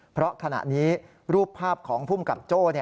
เพราะขณะนี้รูปภาพของภูมิกับโจ้